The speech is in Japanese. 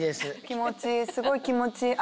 気持ちいいすごい気持ちいい。